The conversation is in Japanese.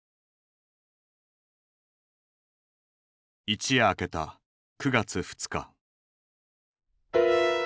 一夜明けた９月２日。